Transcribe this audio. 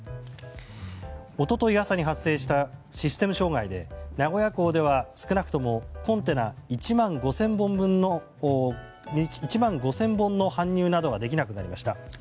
一昨日朝に発生したシステム障害で名古屋港では少なくともコンテナ１万５０００本の搬入などができなくなりました。